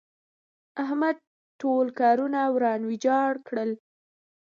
احمد ټول کارونه وران ويجاړ کړل.